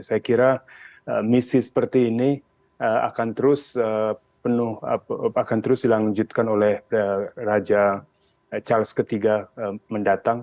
saya kira misi seperti ini akan terus dilanjutkan oleh raja charles iii mendatang